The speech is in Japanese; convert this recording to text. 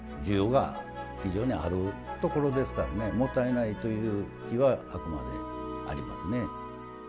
需要が非常にあるところですからねもったいないという気はあくまでありますね。